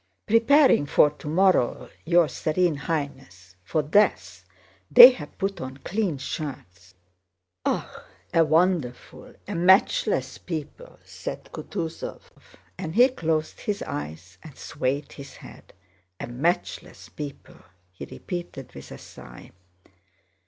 "Preparing for tomorrow, your Serene Highness—for death—they have put on clean shirts." "Ah... a wonderful, a matchless people!" said Kutúzov; and he closed his eyes and swayed his head. "A matchless people!" he repeated with a sigh.